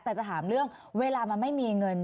แต่จะถามเรื่องเวลามันไม่มีเงิน